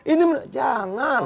ini menunjukkan jangan